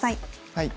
はい。